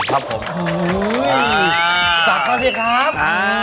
ครับผมจับมาสิครับ